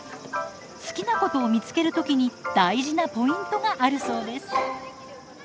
好きなことを見つける時に大事なポイントがあるそうです。